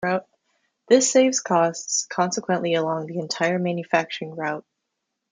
This saves costs consequently along the entire manufacturing route.